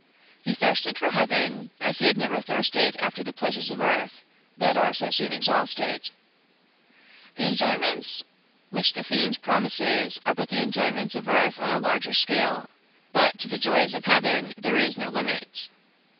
He thirsted for heaven as he had never thirsted after the pleasures of earth, that are so soon exhausted. The enjoyments which the fiend promises are but the enjoyments of earth on a larger scale, but to the joys of heaven there is no limit.